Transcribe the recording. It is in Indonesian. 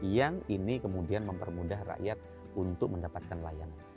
yang ini kemudian mempermudah rakyat untuk mendapatkan layanan